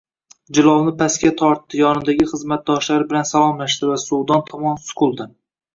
Jilovni pastga tortdi yonidagi xizmatdoshlari bilan salomlashdi va suvdon tomon suqildi